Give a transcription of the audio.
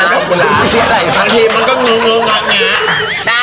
ขอบคุณล่ะบางทีมันก็งุ้งละนะ